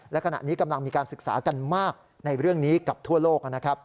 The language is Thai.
และขณะนี้กำลังมีการศึกษากันมากในเรื่องนี้กับทั่วโลกนะครับ